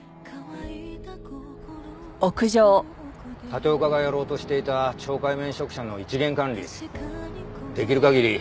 立岡がやろうとしていた懲戒免職者の一元管理できる限り